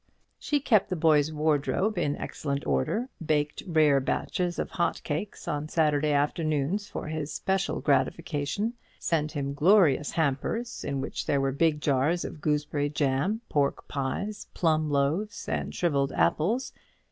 She kept the boy's wardrobe in excellent order; baked rare batches of hot cakes on Saturday afternoons for his special gratification; sent him glorious hampers, in which there were big jars of gooseberry jam, pork pies, plum loaves, and shrivelled apples.